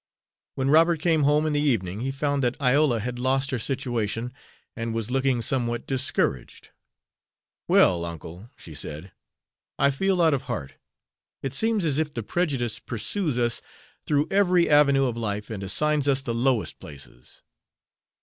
When Robert came home in the evening, he found that Iola had lost her situation, and was looking somewhat discouraged. "Well, uncle," she said, "I feel out of heart. It seems as if the prejudice pursues us through every avenue of life, and assigns us the lowest places."